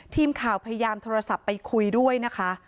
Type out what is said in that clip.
ทีมข่าวพยายามโทรศัพท์ไปคุยด้วยนะคะ